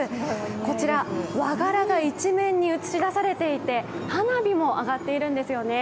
こちら、和柄が一面に映し出されていて、花火も上がっているんですね。